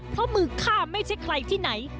เพราะมือฆ่าไม่ใช่ใครที่ไหน